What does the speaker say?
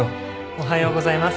おはようございます。